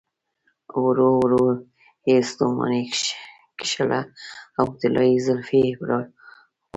ورو ورو يې ستوماني کښله او طلايې زلفې يې راخورولې.